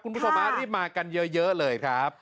คุณผู้ชมรีบมากันเยอะเลยครับ